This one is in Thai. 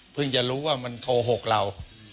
เพิ่งจะรู้ว่ามันโขหกเรา